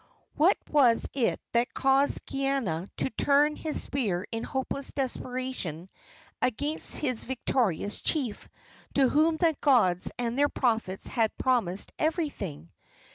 What was it that caused Kaiana to turn his spear in hopeless desperation against his victorious chief, to whom the gods and their prophets had promised everything?